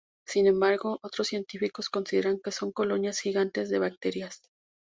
Sin embargo, otros científicos consideran que son colonias gigantes de bacterias.